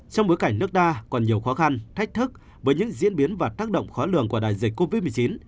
trong bối cảnh nước đa còn nhiều khó khăn thách thức với những diễn biến và tác động khó lường của đại dịch covid một mươi chín